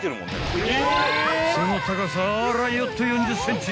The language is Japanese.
［その高さあらよっと４０ｃｍ］